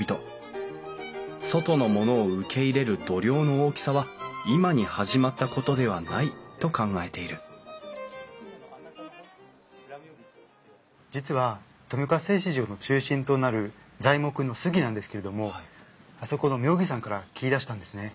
外の者を受け入れる度量の大きさは今に始まったことではないと考えている実は富岡製糸場の中心となる材木の杉なんですけれどもあそこの妙義山から切り出したんですね。